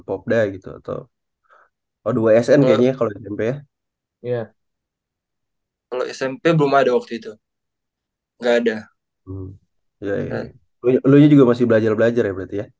popda gitu atau kedua sn kayaknya kalau smp ya iya kalau smp belum ada waktu itu nggak ada ya